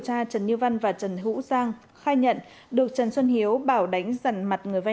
tra trần như văn và trần hiễu giang khai nhận được trần xuân hiếu bảo đánh rằn mặt người vây